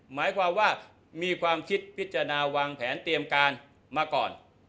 หมายความว่ามีความคิดพิจารณาวางแผนเตรียมการมาก่อน